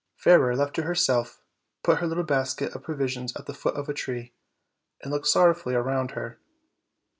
Fairer, left to herself, put her little basket of provi sions at the foot of a tree, and looked sorrowfully around her.